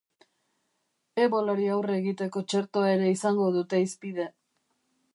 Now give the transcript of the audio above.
Ebolari aurre egiteko txertoa ere izango dute hizpide.